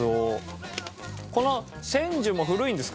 この千寿も古いんですか？